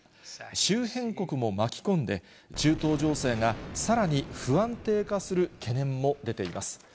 周辺国も巻き込んで、中東情勢がさらに不安定化する懸念も出ています。